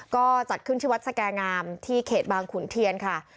ก็จัดขึ้นที่วัดสแก่งามที่เขตบางขุนเทียนค่ะ